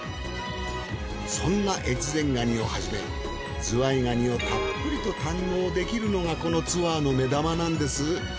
そんな越前ガニをはじめズワイガニをたっぷりと堪能できるのがこのツアーの目玉なんです。